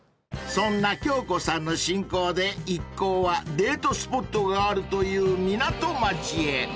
［そんな京子さんの進行で一行はデートスポットがあるという港町へ］